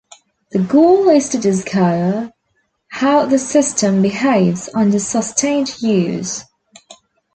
The goal is to discover how the system behaves under sustained use.